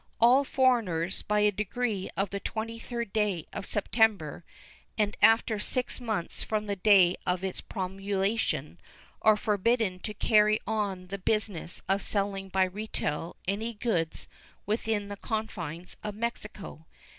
All foreigners, by a decree of the 23d day of September, and after six months from the day of its promulgation, are forbidden to carry on the business of selling by retail any goods within the confines of Mexico.